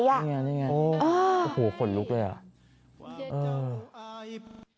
นี่ไงโอ้โฮขนลุกเลย